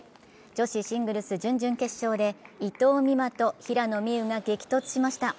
女子シングルス準々決勝で伊藤美誠と平野美宇が激突しました。